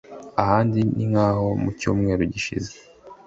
Ahandi ni nk’aho mu Cyumweru gishize